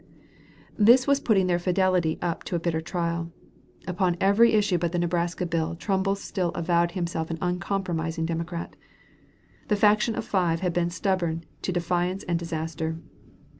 ] This was putting their fidelity to a bitter trial. Upon every issue but the Nebraska bill Trumbull still avowed himself an uncompromising Democrat. The faction of five had been stubborn to defiance and disaster.